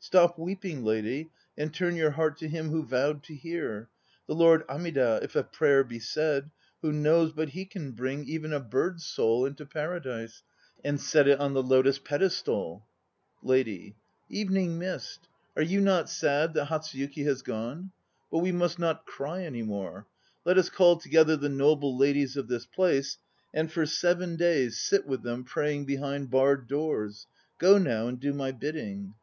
Stop weeping, Lady, And turn your heart to him who vowed to hear. The Lord Amida, if a prayer be said Who knows but he can bring 1 "Wakare no tori," the bird which warns lovers of the approach of day. HATSUYUKI 205 Even a bird's soul into Paradise And set it on the Lotus Pedestal? l LADY. Evening Mist, are you not sad that Hatsuyuki has gone? ... But we must not cry any more. Let us call together the noble ladies of this place and for seven days sit with them praying behind barred doors. Go now and do my bidding.